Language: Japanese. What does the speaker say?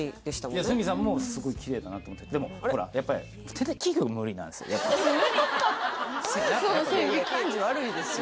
いや鷲見さんもすごいきれいだなと思ってでもほらやっぱり無理っていやいや感じ悪いですよ